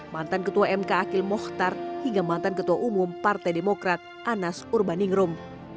mantan ketua mk akil mohtar hingga mantan ketua umum partai demokrat anas urbaningrum